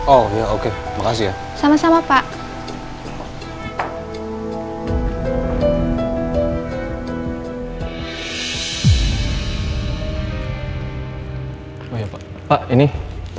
oh ya oke terima kasih ya